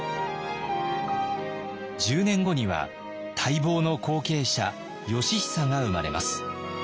１０年後には待望の後継者義尚が生まれます。